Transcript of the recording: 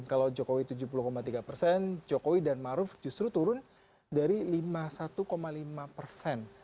kalau jokowi tujuh puluh tiga persen jokowi dan maruf justru turun dari lima puluh satu lima persen